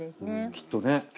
きっとね。